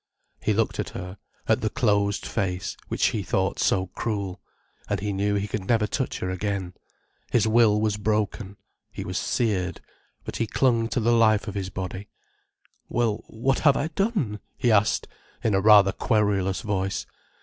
He looked at her, at the closed face, which he thought so cruel. And he knew he could never touch her again. His will was broken, he was seared, but he clung to the life of his body. "Well, what have I done?" he asked, in a rather querulous voice.